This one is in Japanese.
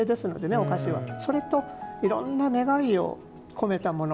いろんな願いを込めたもの。